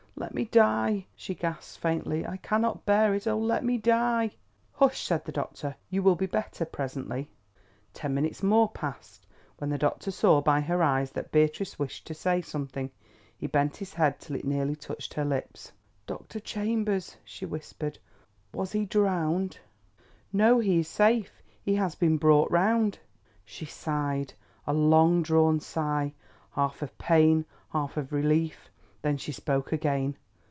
"Let me die," she gasped faintly. "I cannot bear it. Oh, let me die!" "Hush," said the doctor; "you will be better presently." Ten minutes more passed, when the doctor saw by her eyes that Beatrice wished to say something. He bent his head till it nearly touched her lips. "Dr. Chambers," she whispered, "was he drowned?" "No, he is safe; he has been brought round." She sighed—a long drawn sigh, half of pain, half of relief. Then she spoke again.